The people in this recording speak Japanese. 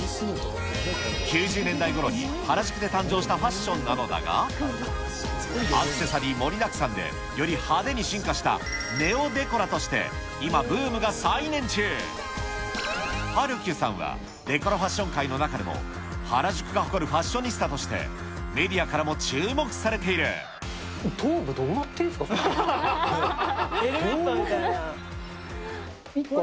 ９０年代ごろに原宿で誕生したファッションなのだが、アクセサリー盛りだくさんで、より派手に進化したネオデコラとして、今、ブームが再燃中。はるきゅさんはデコラファッション界の中でも、原宿が誇るファッショニスタとして、メディアからも注目されてい頭部、どうなってんすか、それ。